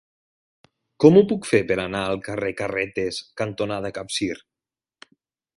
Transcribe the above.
Com ho puc fer per anar al carrer Carretes cantonada Capcir?